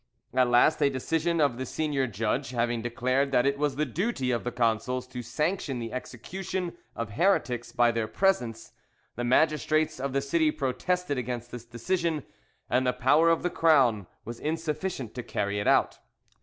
At last a decision of the senior judge having declared that it was the duty of the consuls to sanction the execution of heretics by their presence, the magistrates of the city protested against this decision, and the power of the Crown was insufficient to carry it out.